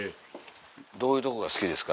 どういうとこが好きですか？